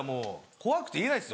怖くて言えないですよ。